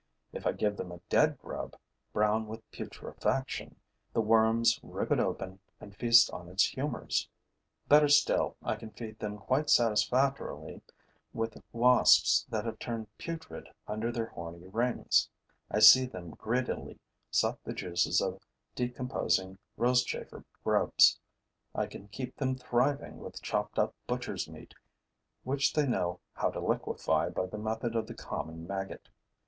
If I give them a dead grub, brown with putrefaction, the worms rip it open and feast on its humors. Better still: I can feed them quite satisfactorily with wasps that have turned putrid under their horny rings; I see them greedily suck the juices of decomposing Rosechafer grubs; I can keep them thriving with chopped up butcher's meat, which they know how to liquefy by the method of the common maggot.